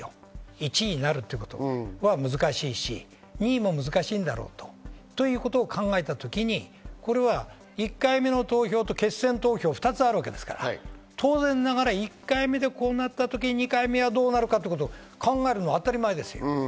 １位になるということは難しいし、２位も難しいんだろうと。ということを考えたときに、１回目の投票と決選投票、２つあるわけですから、当然ながら１回目でこうなった時、２回目はどうなるかってことを考えるのは当たり前ですよ。